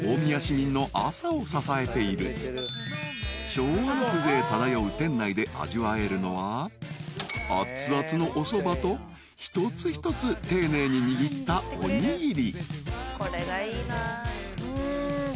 ［昭和の風情漂う店内で味わえるのはあつあつのおそばと一つ一つ丁寧に握ったおにぎり］